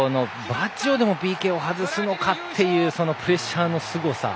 バッジョでもＰＫを外すのかというプレッシャーのすごさ。